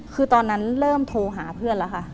คือตอนนั้นเริ่มโทรหาเพื่อนแล้วค่ะ